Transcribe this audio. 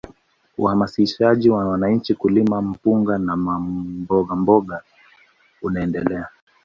Uhamasishaji wa wananchi kulima mpunga na mbogamboga unaendelea